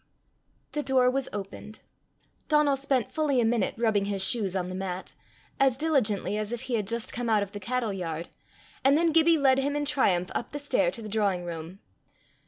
The door was opened. Donal spent fully a minute rubbing his shoes on the mat, as diligently as if he had just come out of the cattle yard, and then Gibbie led him in triumph up the stair to the drawing room.